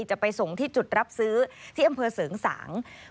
จะไปส่งที่จุดรับซื้อที่อำเภอเสริงสาง